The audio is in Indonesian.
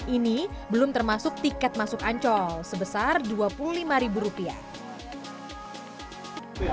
ini belum termasuk tiket masuk ancol sebesar dua puluh lima ribu rupiah